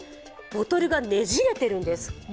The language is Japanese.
ボトルがねじれてるんです。